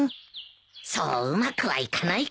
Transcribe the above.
そううまくはいかないか。